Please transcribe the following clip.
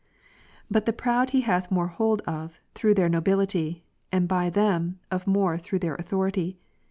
But the proud he hath more hold of, through their nobility ; and by them, of more through their authority.